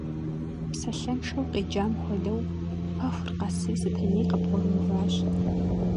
Псалъэншэу къеджам хуэдэу, пэхур къэсри Сэтэней къыбгъурыуващ.